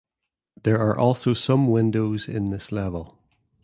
There are also some windows in this level.